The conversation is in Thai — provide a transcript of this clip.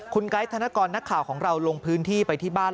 คุณไกด์ธนกรนักข่าวของเราลงพื้นที่ไปที่บ้าน